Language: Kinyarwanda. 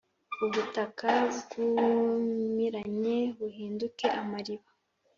ubutaka bwumiranye buhinduke amariba.